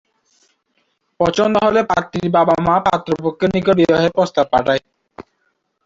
পছন্দ হলে পাত্রীর মা-বাবা পাত্রপক্ষের নিকট বিবাহের প্রস্তাব পাঠায়।